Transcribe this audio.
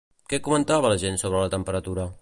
Què comentava la gent sobre la temperatura?